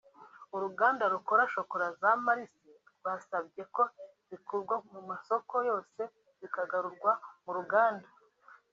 uruganda rukora shokola za Mars rwasabye ko zikurwa ku masoko yose zikagarurwa mu ruganda